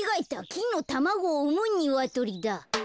きんのたまごをうむニワトリだ。